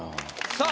さあ。